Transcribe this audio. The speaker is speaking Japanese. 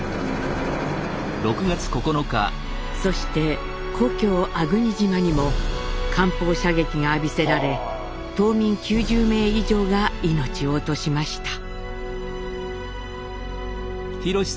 そして故郷粟国島にも艦砲射撃が浴びせられ島民９０名以上が命を落としました。